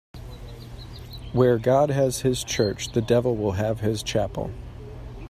Where God has his church, the devil will have his chapel.